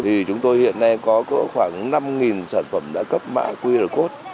thì chúng tôi hiện nay có cỡ khoảng năm sản phẩm đã cấp mã qr code